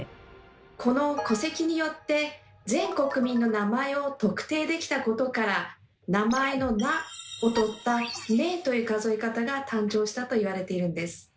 この戸籍によって全国民の名前を特定できたことから名前の「名」をとった「名」という数え方が誕生したと言われているんです。